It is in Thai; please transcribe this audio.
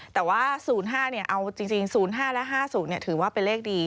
แต่ว่า๐๕เอาจริง๐๕และ๕๐ถือว่าเป็นเลขดี